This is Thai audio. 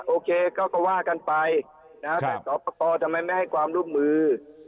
โอเคก็ว่ากันไปสอปอกรทำไมไม่ให้ความร่วมมือ